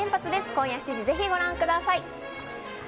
今夜７時、ぜひご覧ください。